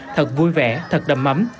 thật vui vẻ thật đầm mắm